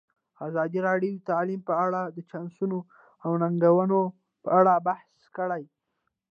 ازادي راډیو د تعلیم په اړه د چانسونو او ننګونو په اړه بحث کړی.